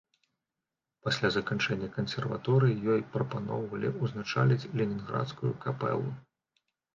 Пасля заканчэння кансерваторыі ёй прапаноўвалі ўзначаліць ленінградскую капэлу.